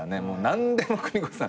何でも邦子さん。